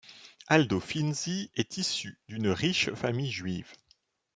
Aldo Finzi est issu d’une riche famille juive.